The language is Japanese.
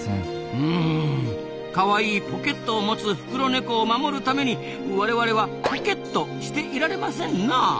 うんかわいいポケットを持つフクロネコを守るために我々はポケッとしていられませんなあ。